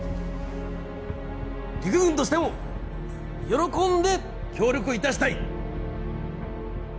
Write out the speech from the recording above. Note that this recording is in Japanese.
陸軍としても喜んで協力いたしたい。